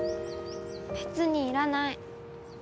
べつにいらない